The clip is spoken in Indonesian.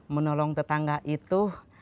menolong tetangga itu